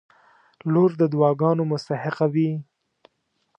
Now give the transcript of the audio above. • لور د دعاګانو مستحقه وي.